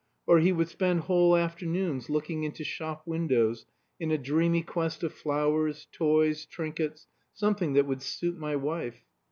Or he would spend whole afternoons looking into shop windows in a dreamy quest of flowers, toys, trinkets, something that would "suit my wife."